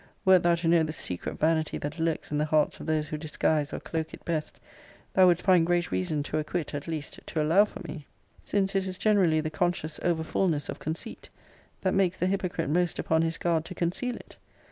Wert thou to know the secret vanity that lurks in the hearts of those who disguise or cloke it best, thou wouldst find great reason to acquit, at least, to allow for me: since it is generally the conscious over fulness of conceit, that makes the hypocrite most upon his guard to conceal it.